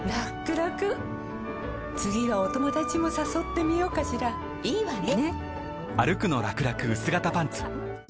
らくらくはお友達もさそってみようかしらいいわね！